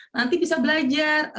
nanti bisa belajar